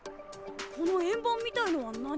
この円盤みたいのは何？